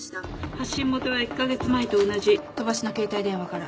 発信元は１カ月前と同じ飛ばしの携帯電話から。